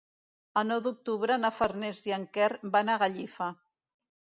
El nou d'octubre na Farners i en Quer van a Gallifa.